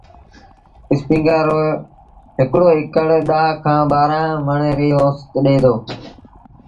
اسپيٚنگر رو هڪڙو اڪڙ ڏآه کآݩ ٻآهرآݩ مڻ ريٚ اوست ڏي دو۔